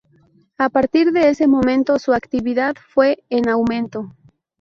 A partir de ese momento su actividad fue en aumento.